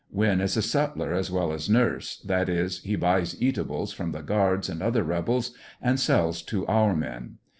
Winn is a sutler as well as nurse, that is, aiC buys eatables from the guards and other rebels, and sells to our men.